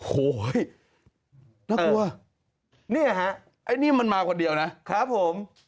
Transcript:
โห้เฮ้ยนักครัวนี่ฮะไอ้นี่มันมากว่าเดียวนะครับผม